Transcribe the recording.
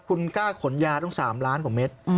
คุณกล้าขนยาต้อง๓ล้านกว่าเม็ด